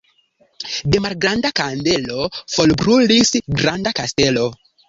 De malgranda kandelo forbrulis granda kastelo.